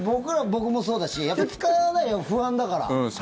僕もそうだし使わないよ、不安だから。